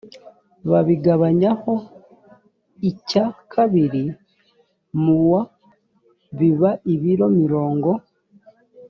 babigabanyaho icya kabiri mu wa biba ibiro mirongo